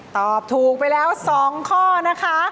ตอบถูกไปแล้ว๒ข้อนะคะ